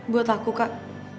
buat aku kak